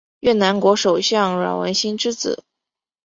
越南国首相阮文心之子。